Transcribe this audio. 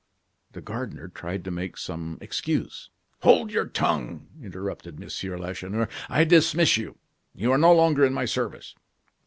The gardener tried to make some excuse. "Hold your tongue!" interrupted M. Lacheneur. "I dismiss you; you are no longer in my service."